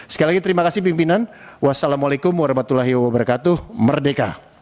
sekali lagi terima kasih pimpinan wassalamualaikum warahmatullahi wabarakatuh merdeka